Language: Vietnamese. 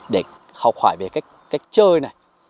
để học hỏi về cách chơi này